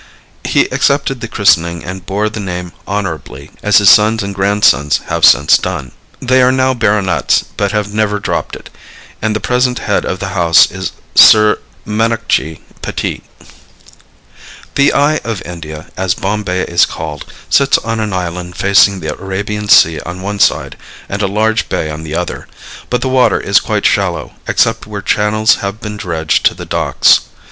He accepted the christening and bore the name honorably, as his sons and grandsons have since done. They are now baronets, but have never dropped it, and the present head of the house is Sir Manockji Petit. The Eye of India, as Bombay is called, sits on an island facing the Arabian Sea on one side and a large bay on the other, but the water is quite shallow, except where channels have been dredged to the docks.